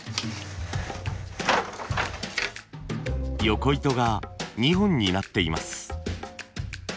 よこ糸が２本になっています。